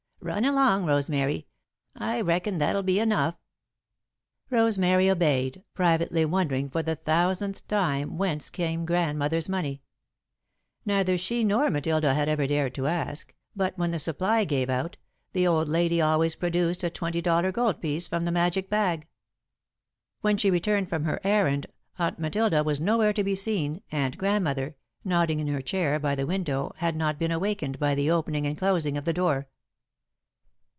"Run along, Rosemary. I reckon that'll be enough." Rosemary obeyed, privately wondering for the thousandth time whence came Grandmother's money. Neither she nor Matilda had ever dared to ask, but when the supply gave out, the old lady always produced a twenty dollar gold piece from the magic bag. [Sidenote: It Seemed Odd] When she returned from her errand, Aunt Matilda was nowhere to be seen, and Grandmother, nodding in her chair by the window, had not been awakened by the opening and closing of the door.